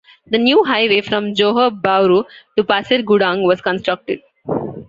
The new highway from Johor Bahru to Pasir Gudang was constructed.